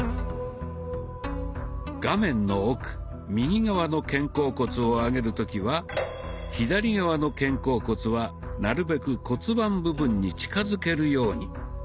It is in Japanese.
画面の奥右側の肩甲骨を上げる時は左側の肩甲骨はなるべく骨盤部分に近づけるように。